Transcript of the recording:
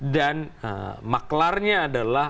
dan maklarnya adalah